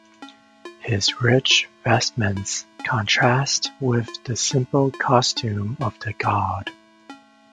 His rich vestments contrast with the simple costume of the god.